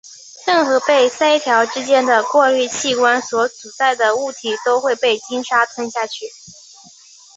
任何被鳃条之间的过滤器官所阻塞的物体会被鲸鲨吞下去。